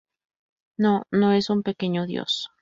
No, no es un pequeño dios.